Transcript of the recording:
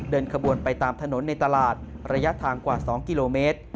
เดินขบวนไปตามถนนในตลาดระยะทางกว่า๒กิโลเมตร